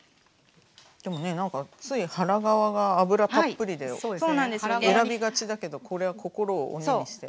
でもね何かつい腹側が脂たっぷりで選びがちだけどこれは心を鬼にして。